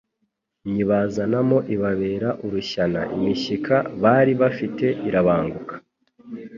Nyibazanamo ibabera urushyana. Imishyika bali bafite irabanguka,